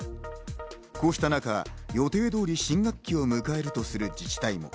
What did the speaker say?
こうした中、予定通り新学期を迎えるとする自治体も。